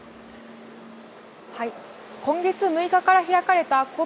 今月６日から開かれたＣＯＰ